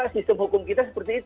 sistem hukum kita seperti itu